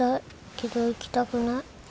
けど行きたくない。